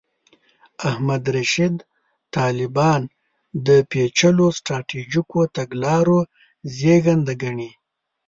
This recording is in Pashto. احمد رشید طالبان د پېچلو سټراټیژیکو تګلارو زېږنده ګڼي.